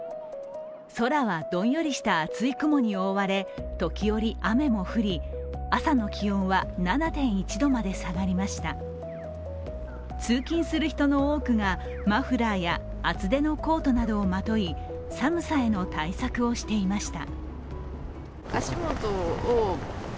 空はどんよりした厚い雲に覆われ時折、雨も降り朝の気温は７．１度まで下がりました通勤する人の多くがマフラーや厚手のコートなどをまとい寒さへの対策をしていました。